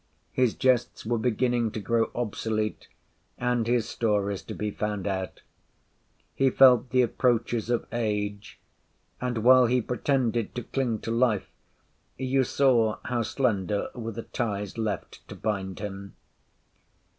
His jests were beginning to grow obsolete, and his stories to be found out. He felt the approaches of age; and while he pretended to cling to life, you saw how slender were the ties left to bind him.